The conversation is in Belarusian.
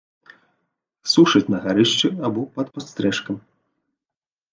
Сушаць на гарышчы або пад падстрэшкам.